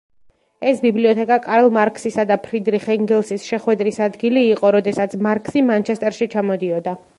ეს ბიბლიოთეკა კარლ მარქსისა და ფრიდრიხ ენგელსის შეხვედრის ადგილი იყო, როდესაც მარქსი მანჩესტერში ჩამოდიოდა.